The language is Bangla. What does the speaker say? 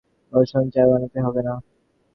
বসুন, চা বানাতে হবে না।